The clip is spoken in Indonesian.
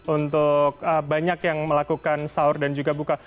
untuk banyak yang melakukan sahur dan juga buka